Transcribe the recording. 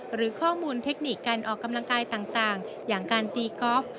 หรือข้อมูลเทคนิคการออกกำลังกายต่างอย่างการตีกอล์ฟ